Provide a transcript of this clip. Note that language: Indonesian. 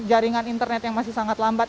jaringan internet yang masih sangat lambat